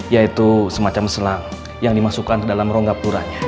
yaitu semacam selang yang dimasukkan ke dalam rongga puranya